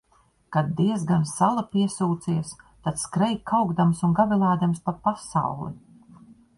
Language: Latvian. Kad diezgan sala piesūcies, tad skrej kaukdams un gavilēdams pa pasauli.